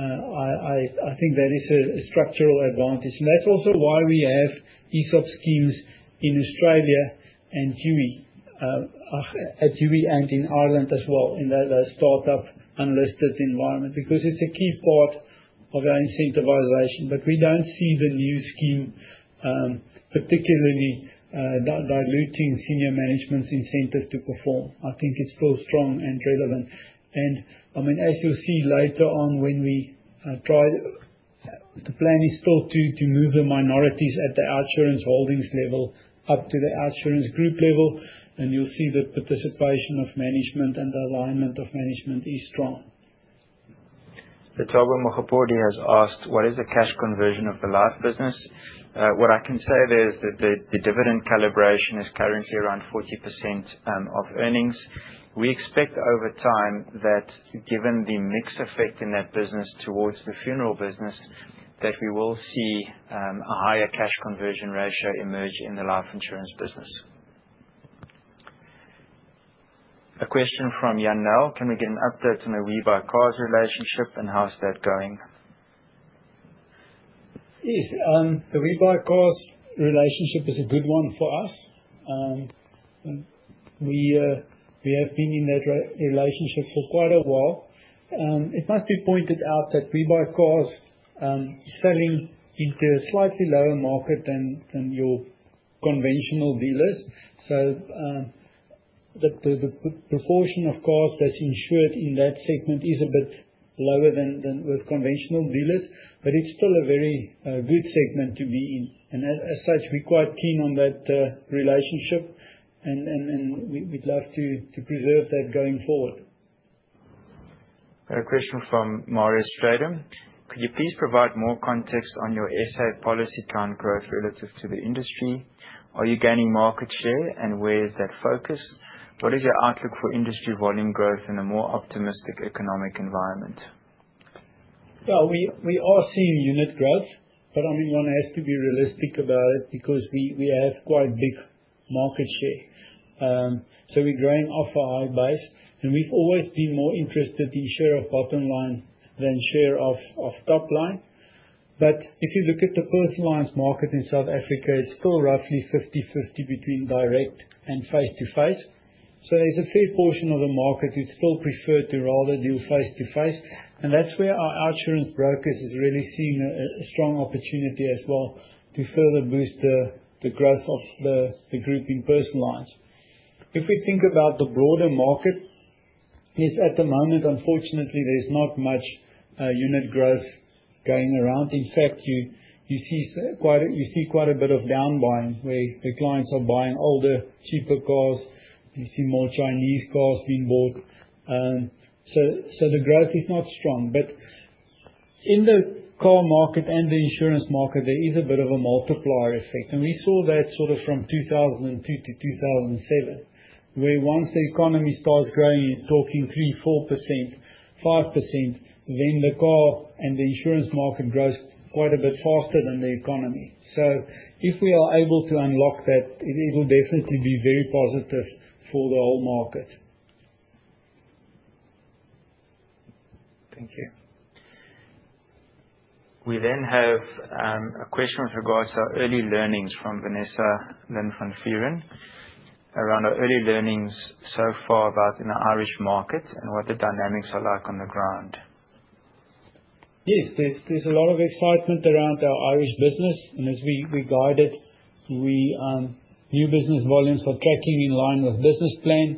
I think that is a structural advantage. That's also why we have ESOP Schemes in Australia and Youi, at Youi and in Ireland as well in that startup unlisted environment because it's a key part of our incentivization. We don't see the new scheme particularly diluting senior management's incentive to perform. I think it's still strong and relevant. I mean, as you'll see later on when we try, the plan is still to move the minorities at the OUTsurance Holdings level up to the OUTsurance Group level, and you'll see the participation of management and the alignment of management is strong. Tobler Machapodi has asked what is the cash conversion of the Life business. What I can say there is that the dividend calibration is currently around 40% of earnings. We expect over time that given the mix effect in that business towards the funeral business, that we will see a higher cash conversion ratio emerge in the life insurance business. A question from Yanel. Can we get an update on the WeBuyCars relationship, and how's that going? Yes. The WeBuyCars relationship is a good one for us. We have been in that relationship for quite a while. It must be pointed out that WeBuyCars is selling into a slightly lower market than your conventional dealers. The proportion of cars that's insured in that segment is a bit lower than with conventional dealers, but it's still a very good segment to be in. As such, we're quite keen on that relationship, and we'd love to preserve that going forward. A question from Maurice Stratum. Could you please provide more context on your SA policy plan growth relative to the industry? Are you gaining market share, and where is that focus? What is your outlook for industry volume growth in a more optimistic economic environment? Yeah. We are seeing unit growth, but I mean, one has to be realistic about it because we have quite big market share. We are growing off a high base, and we've always been more interested in share of bottom line than share of top line. If you look at the personal lines market in South Africa, it's still roughly 50/50 between direct and face-to-face. There's a fair portion of the market who still prefer to rather do face-to-face, and that's where our OUTsurance brokers is really seeing a strong opportunity as well to further boost the growth of the group in person lines. If we think about the broader market, at the moment, unfortunately, there's not much unit growth going around. In fact, you see quite a bit of down buying where clients are buying older, cheaper cars. You see more Chinese cars being bought. The growth is not strong, but in the car market and the insurance market, there is a bit of a multiplier effect, and we saw that sort of from 2002 to 2007, where once the economy starts growing, you're talking 3%, 4%, 5%, then the car and the insurance market grows quite a bit faster than the economy. If we are able to unlock that, it'll definitely be very positive for the whole market. Thank you. We then have a question with regards to our early learnings from Vanessa Linfun Fearon around our early learnings so far about in the Irish market and what the dynamics are like on the ground. Yes. There's a lot of excitement around our Irish business, and as we guided, new business volumes are tracking in line with business plan,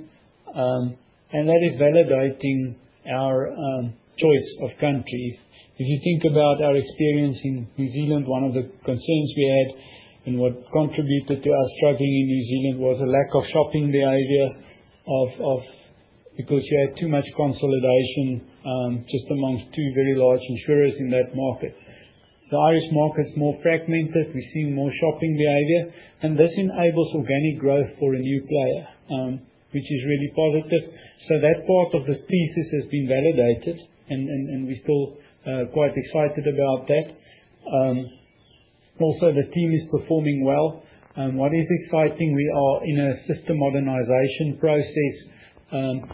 and that is validating our choice of country. If you think about our experience in New Zealand, one of the concerns we had and what contributed to us struggling in New Zealand was a lack of shopping behavior because you had too much consolidation, just amongst two very large insurers in that market. The Irish market's more fragmented. We're seeing more shopping behavior, and this enables organic growth for a new player, which is really positive. That part of the thesis has been validated, and we're still quite excited about that. Also, the team is performing well. What is exciting? We are in a system modernization process,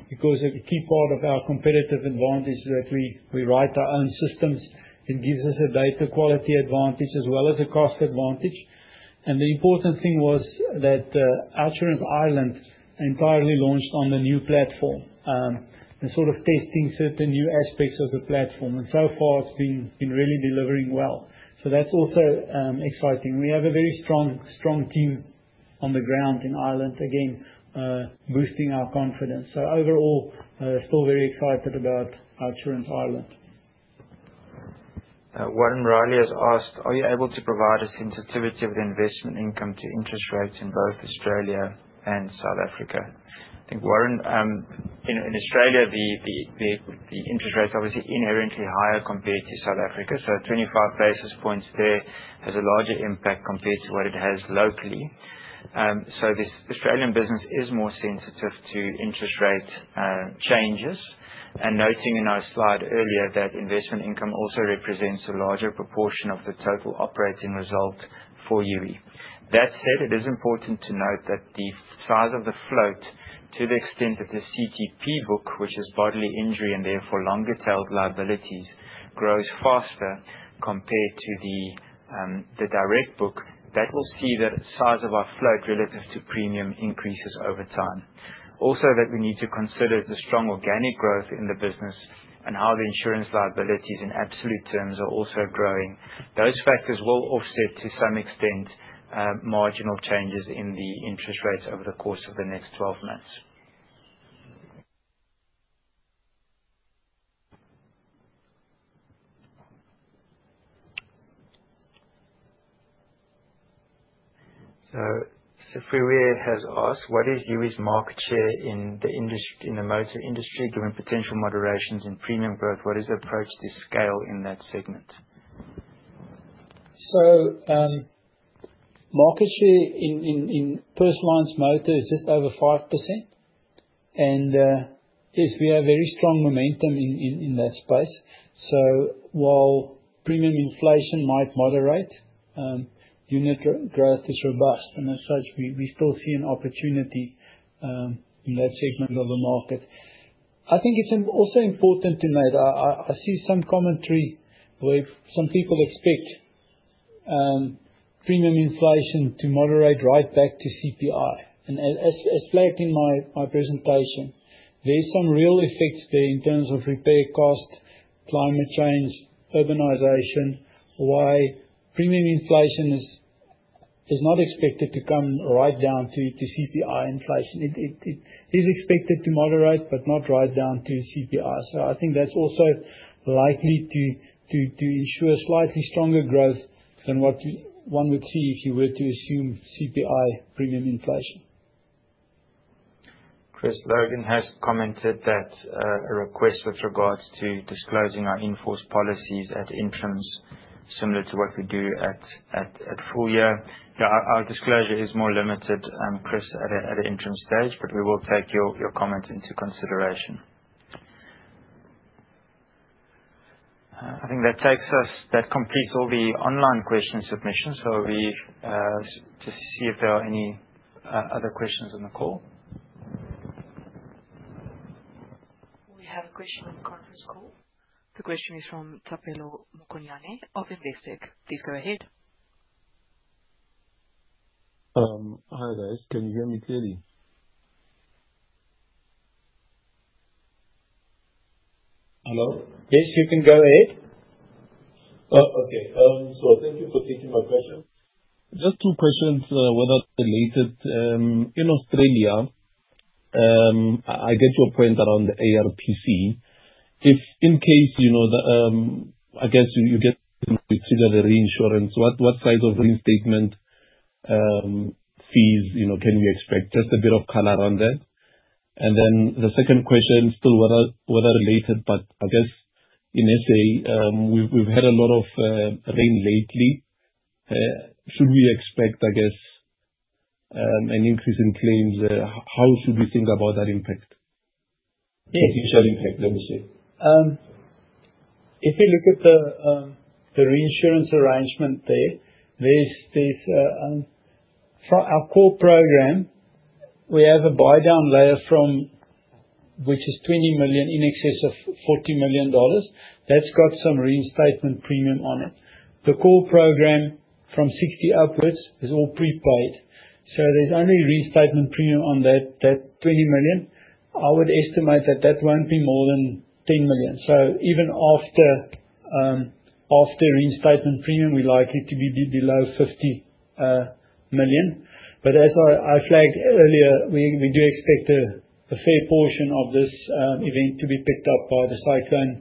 because a key part of our competitive advantage is that we write our own systems. It gives us a data quality advantage as well as a cost advantage. The important thing was that OUTsurance Ireland entirely launched on the new platform, and sort of testing certain new aspects of the platform. So far, it's been really delivering well. That's also exciting. We have a very strong team on the ground in Ireland, again, boosting our confidence. Overall, still very excited about OUTsurance Ireland. Warren Riley has asked, are you able to provide a sensitivity of the investment income to interest rates in both Australia and South Africa? I think Warren, in Australia, the interest rate's obviously inherently higher compared to South Africa. Twenty-five basis points there has a larger impact compared to what it has locally. This Australian business is more sensitive to interest rate changes. Noting in our slide earlier that investment income also represents a larger proportion of the total operating result for Youi. That said, it is important to note that the size of the float to the extent of the CTP book, which is bodily injury and therefore longer-tailed liabilities, grows faster compared to the direct book. That will see the size of our float relative to premium increases over time. Also, we need to consider the strong organic growth in the business and how the insurance liabilities in absolute terms are also growing. Those factors will offset to some extent, marginal changes in the interest rates over the course of the next 12 months. Sefiri has asked, what is Youi's market share in the industry, in the motor industry given potential moderations in premium growth? What is the approach to scale in that segment? Market share in person lines motor is just over 5%, and yes, we have very strong momentum in that space. While premium inflation might moderate, unit growth is robust, and as such, we still see an opportunity in that segment of the market. I think it's also important to note, I see some commentary where some people expect premium inflation to moderate right back to CPI, and as flagged in my presentation, there's some real effects there in terms of repair cost, climate change, urbanization, why premium inflation is not expected to come right down to CPI inflation. It is expected to moderate but not right down to CPI. I think that's also likely to ensure slightly stronger growth than what one would see if you were to assume CPI premium inflation. Chris Logan has commented that, a request with regards to disclosing our in-force policies at interims similar to what we do at, at, at full year. Yeah. Our, our disclosure is more limited, Chris, at a, at an interim stage, but we will take your, your comments into consideration. I think that takes us that completes all the online question submissions. We just see if there are any other questions on the call. We have a question on the conference call. The question is from Thapelo Mokonyane of Investec. Please go ahead. Hi guys. Can you hear me clearly? Hello? Yes, you can go ahead. Oh, okay. Thank you for taking my question. Just two questions, weather related. In Australia, I get your point around the ARPC. If in case, you know, I guess you get to consider the reinsurance, what size of reinstatement fees, you know, can we expect? Just a bit of color on that. The second question, still weather related, but I guess in SA, we've had a lot of rain lately. Should we expect, I guess, an increase in claims? How should we think about that impact? Yes. Potential impact, let me say. If you look at the reinsurance arrangement there, for our core program, we have a buy-down layer which is $20 million in excess of $40 million. That has some reinstatement premium on it. The core program from 60 upwards is all prepaid. There is only reinstatement premium on that 20 million. I would estimate that that will not be more than 10 million. Even after reinstatement premium, we are likely to be below 50 million. As I flagged earlier, we do expect a fair portion of this event to be picked up by the cyclone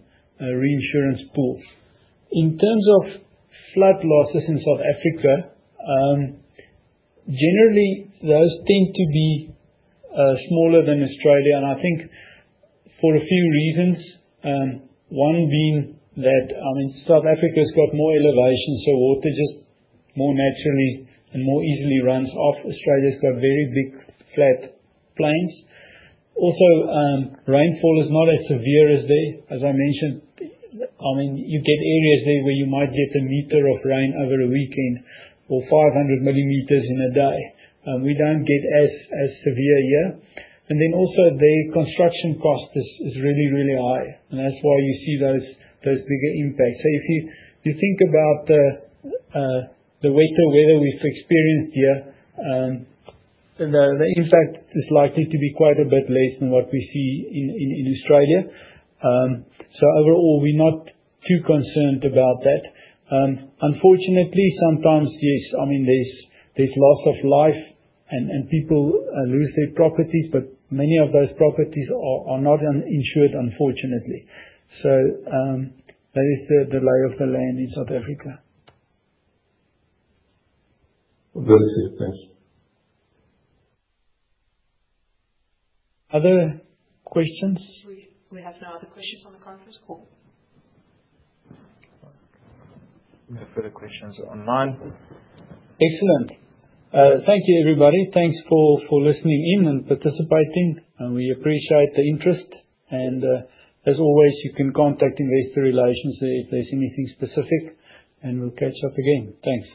reinsurance pool. In terms of flood losses in South Africa, generally those tend to be smaller than Australia. I think for a few reasons, one being that, I mean, South Africa has more elevation, so water just more naturally and more easily runs off. Australia's got very big flat plains. Also, rainfall is not as severe as they, as I mentioned. I mean, you get areas there where you might get a meter of rain over a weekend or 500 millimeters in a day. We do not get as severe here. Also, the construction cost is really, really high, and that's why you see those bigger impacts. If you think about the wetter weather we've experienced here, the impact is likely to be quite a bit less than what we see in Australia. Overall, we're not too concerned about that. Unfortunately, sometimes, yes, there is loss of life, and people lose their properties, but many of those properties are not uninsured, unfortunately. That is the lay of the land in South Africa. Very good. Thanks. Other questions? We have no other questions on the conference call. No further questions on mine. Excellent. Thank you, everybody. Thanks for listening in and participating, and we appreciate the interest. As always, you can contact Investor Relations there if there's anything specific, and we'll catch up again. Thanks.